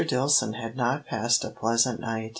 Dillson had not passed a pleasant night.